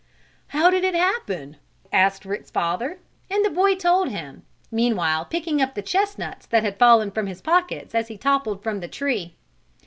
"How did it happen?" asked Rick's father, and the boy told him, meanwhile picking up the chestnuts that had fallen from his pockets as he toppled from the tree.